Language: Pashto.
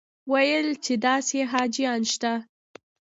ویل یې داسې حاجیان شته.